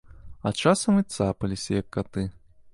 А часам і цапаліся, як каты.